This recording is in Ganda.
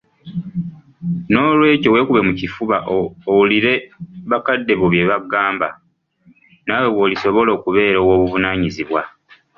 N'olwekyo weekube mu kifuba owulire bakadde bo bye bakugamba naawe lw'olisobola okubeera ow'obuvunaanyizibwa